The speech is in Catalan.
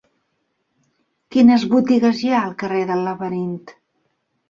Quines botigues hi ha al carrer del Laberint?